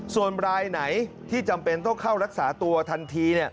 ส่วนรายไหนที่จำเป็นต้องเข้ารักษาตัวทันที